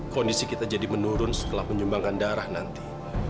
kondisi kita jadi menurun setelah menyumbangkan darah nanti